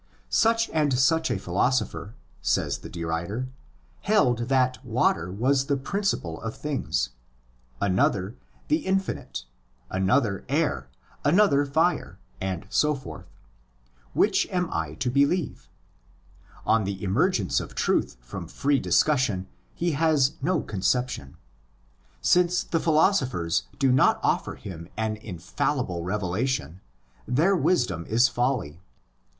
Such and such & philosopher (says the derider) held that water was the principle of things; another "the infinite,' another alr, another fire, and so forth: which am I to believe ὃ Of the emergence of truth from free discussion he has no conception. Since the philosophers do not offer him an infallible revelation, their wisdom is folly.